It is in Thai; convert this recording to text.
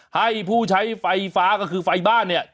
ให้ผู้ใช้ไฟฟ้าก็คือไฟบ้านเนี่ย